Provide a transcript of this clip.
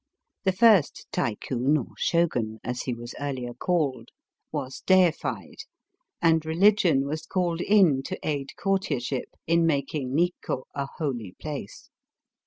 The first Tycoon — or Shogun, as he was earlier called — was deified, and religion was called in to aid courtier ship in making Nikko a holy place.